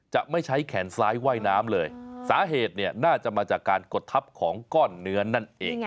จะไม่ใช้แขนซ้ายว่ายน้ำเลยสาเหตุเนี่ยน่าจะมาจากการกดทับของก้อนเนื้อนั่นเอง